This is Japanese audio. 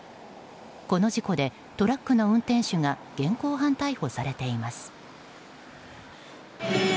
この事故でトラックの運転手が現行犯逮捕されています。